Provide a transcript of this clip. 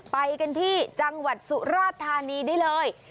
ไปกันที่จังหวัดสุราธานีได้เลย